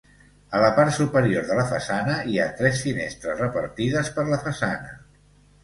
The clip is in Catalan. A la part superior de la façana, hi ha tres finestres repartides per la façana.